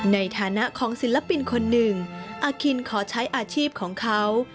ในฐานะของศิลปินคนหนึ่งอาคินขอใช้อาชีพของเขา